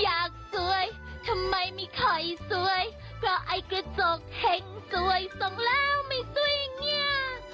อยากซวยทำไมไม่ค่อยซวยก็ไอ้กระจกแห่งซวยส่งแล้วไม่ซวยเนี่ย